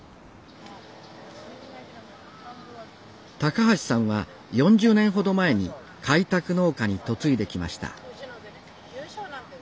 橋さんは４０年ほど前に開拓農家に嫁いできました